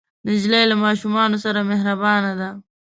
نجلۍ له ماشومانو سره مهربانه ده.